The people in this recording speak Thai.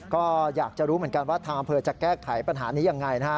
ก็อยากจะรู้เหมือนกันว่าทางอำเภอจะแก้ไขปัญหานี้ยังไงนะฮะ